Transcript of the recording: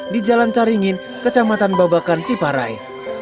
di jalan caringin kecamatan babakan ciparai